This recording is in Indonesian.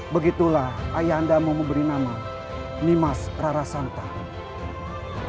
begitulah ayah anda mau memberi nama nimas rarasantara